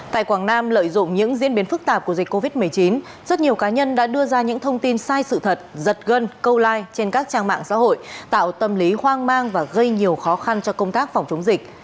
tại quảng nam lợi dụng những diễn biến phức tạp của dịch covid một mươi chín rất nhiều cá nhân đã đưa ra những thông tin sai sự thật giật gân câu like trên các trang mạng xã hội tạo tâm lý hoang mang và gây nhiều khó khăn cho công tác phòng chống dịch